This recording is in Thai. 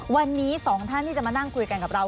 วันนี้สองท่านที่จะมานั่งคุยกันกับเรา